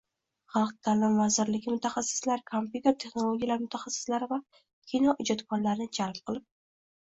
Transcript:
Xalq ta’limi vazirligi mutaxassislari, kompyuter texnologiyalari mutaxassislari va kinoijodkorlarni jalb qilib